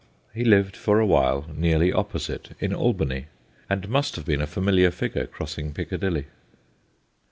He lived, for a while, nearly opposite, in Albany, and must have been a familiar figure crossing Piccadilly.